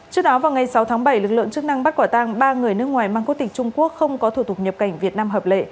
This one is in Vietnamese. trước đó vào ngày sáu tháng bảy lực lượng chức năng bắt quả tang ba người nước ngoài mang quốc tịch trung quốc không có thủ tục nhập cảnh việt nam hợp lệ